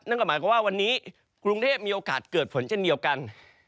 นั่นก็หมายความว่าวันนี้กรุงเทพมีโอกาสเกิดฝนเช่นเดียวกัน